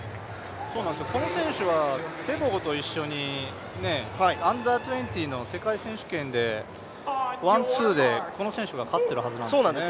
この選手はテボゴと一緒にＵ−２０の世界選手権でワン、ツーでこの選手が勝ってるはずなんですよね。